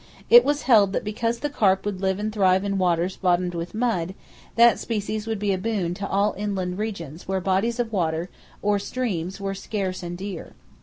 It was held that because the carp could live and thrive in waters bottomed with mud, that species would be a boon to all inland regions where bodies of water, or streams, were scarce and dear.